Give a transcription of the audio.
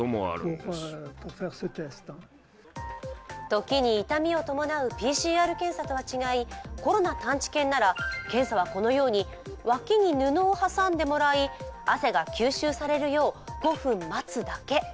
時に痛みを伴うＰＣＲ検査とは違い、コロナ探知犬なら、検査はこのように脇に布を挟んでもらい汗が吸収されるよう５分待つだけ。